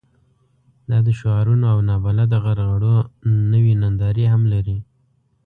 دا د شعارونو او نابلده غرغړو نوې نندارې هم لرلې.